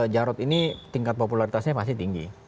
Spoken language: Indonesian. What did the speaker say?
jarod ini tingkat popularitasnya pasti tinggi